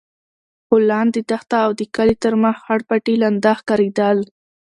خو لاندې دښته او د کلي تر مخ خړ پټي لانده ښکارېدل.